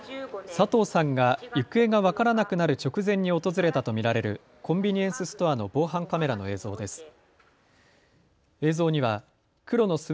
佐藤さんが行方が分からなくなる直前に訪れたと見られるコンビニエンスストアの防犯カメラの映像です。